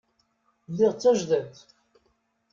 Lliɣ d tajdidt.